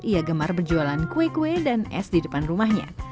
ia gemar berjualan kue kue dan es di depan rumahnya